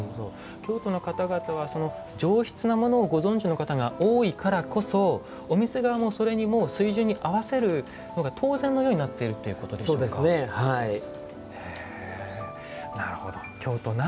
京都の方々は上質なものをご存じの方が多いからこそお店側もそれにもう水準に合わせるのが当然のようになっているっていうことでしょうか？